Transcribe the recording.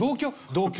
同居。